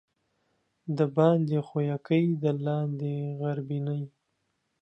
دباندي ښويکى، د لاندي غربينى.